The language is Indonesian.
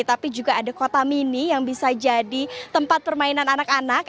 tapi juga ada kota mini yang bisa jadi tempat permainan anak anak